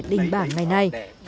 đình bảng ngày nay